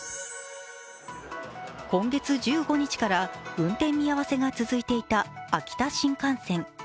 今月１５日から運転見合せが続いていた秋田新幹線。